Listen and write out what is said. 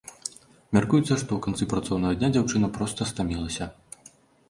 Мяркуецца, што ў канцы працоўнага дня дзяўчына проста стамілася.